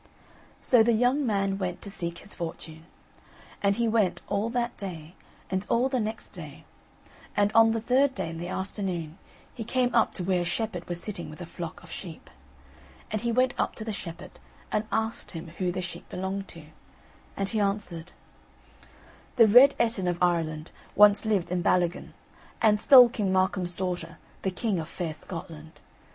So the young man went to seek his fortune. And he went all that day, and all the next day; and on the third day, in the afternoon, he came up to where a shepherd was sitting with a flock of sheep. And he went up to the shepherd and asked him who the sheep belonged to; and he answered: "The Red Ettin of Ireland Once lived in Ballygan, And stole King Malcolm's daughter The king of fair Scotland.